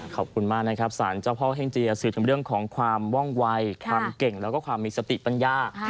ขอบคุณมากนะครับสารเจ้าพ่อเฮ่งเจียสื่อถึงเรื่องของความว่องวัยความเก่งแล้วก็ความมีสติปัญญา